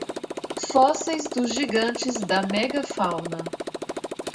Fósseis dos gigantes da megafauna